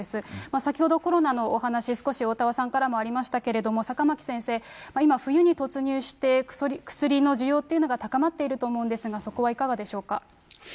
先ほどコロナのお話、少しおおたわさんからありましたけれども、坂巻先生、今、冬に突入して、薬の需要というのが高まっていると思うんですが、そこはいかがでしょうか。